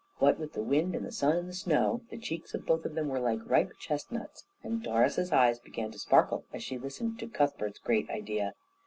What with the wind and the sun and the snow, the cheeks of both of them were like ripe chestnuts, and Doris's eyes began to sparkle as she listened to Cuthbert's great idea.